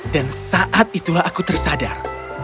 dan saat itulah aku tersadar